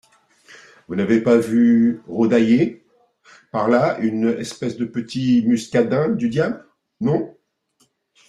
Vous n'avez pas vu rôdailler par là une espèce de petit muscadin du diable ? Non.